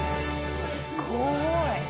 すごい！